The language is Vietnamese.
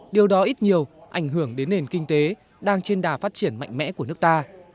điều đó ít nhiều ảnh hưởng đến nền kinh tế đang trên đà phát triển mạnh mẽ của nước ta